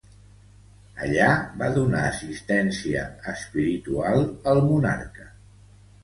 Allà va donar assistència espiritual al monarca.